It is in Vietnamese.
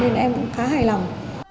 nên em cũng khá hài lòng